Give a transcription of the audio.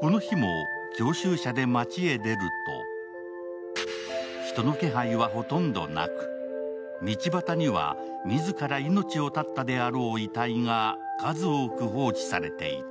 この日も、教習車で街へ出ると人の気配はほとんどなく、道端には自ら命を絶ったであろう遺体が数多く放置されていた。